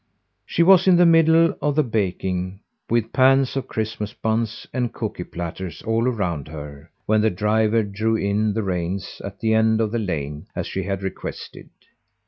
She was in the middle of the baking, with pans of Christmas buns and cooky platters all around her, when the driver drew in the reins at the end of the lane as she had requested.